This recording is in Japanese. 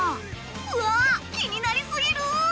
うわ気になり過ぎる！